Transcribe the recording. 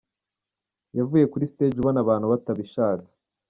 Yavuye kuri stage ubona abantu batabishaka.